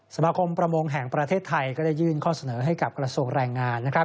สมาคมประมงแห่งประเทศไทยก็ได้ยื่นข้อเสนอให้กับกระทรวงแรงงาน